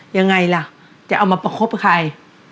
ยังไงล่ะจะเอามาประคบกับใคร